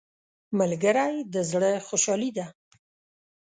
ملګری د زړه خوشحالي ده